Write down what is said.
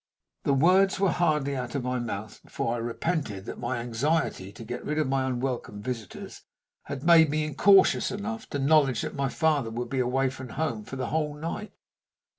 The words were hardly out of my mouth before I repented that my anxiety to get rid of my unwelcome visitors had made me incautious enough to acknowledge that my father would be away from home for the whole night.